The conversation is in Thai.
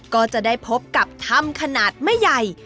ก็จะได้พบกับถ้ำขนาดไม่ใหญ่